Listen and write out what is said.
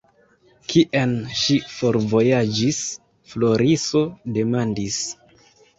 Kien ŝi forvojaĝis? Floriso demandis.